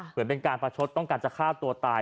เหมือนเป็นการประชดต้องการจะฆ่าตัวตาย